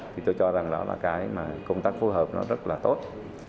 thì tôi cho rằng đó là cái mà công tác phối hợp nó rất là tốt